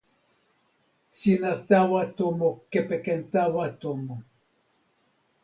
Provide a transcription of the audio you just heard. sina tawa tomo kepeken tawa tomo.